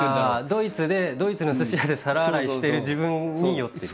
ドイツでドイツの寿司屋で皿洗いしてる自分に酔ってる。